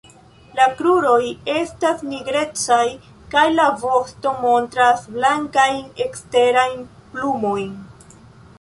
La kruroj estas nigrecaj kaj la vosto montras blankajn eksterajn plumojn.